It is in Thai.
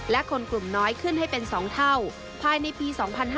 และคนกลุ่มน้อยขึ้นให้เป็น๒เท่าภายในปี๒๕๕๙